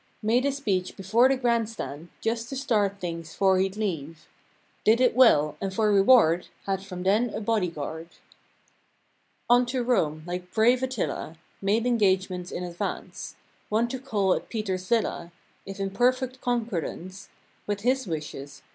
Made a speech before the grand stand. Just to start things 'fore he'd leave. Did it well, and for reward. Had from then a body guard. On to Rome, like brave Attila; Made engagements in advance. One to call at Peter's Villa, If in perfect concordance With his wishes.